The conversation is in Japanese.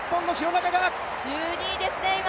１２位ですね。